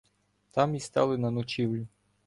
Там і стали на ночівлю.